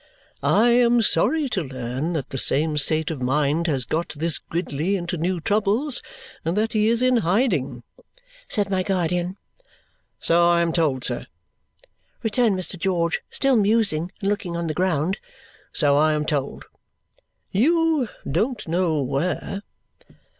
"I am sorry to learn that the same state of mind has got this Gridley into new troubles and that he is in hiding," said my guardian. "So I am told, sir," returned Mr. George, still musing and looking on the ground. "So I am told." "You don't know where?"